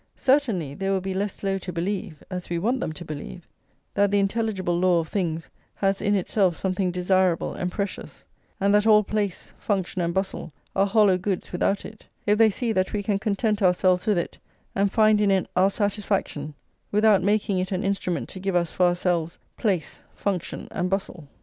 Certainly they will be less slow to believe, as we want them to believe, that the intelligible law of things has in itself something desirable and precious, and that all place, function, and bustle are hollow goods without it, if they see that we can content ourselves with it, and find in it our satisfaction, without making it an instrument to give us for ourselves place, function, and bustle.